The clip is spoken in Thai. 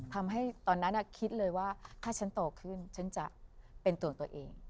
ทำให้ตอนนั้นคิดเลยว่าถ้าฉันโตขึ้นฉันจะเป็นตัวตัวเอง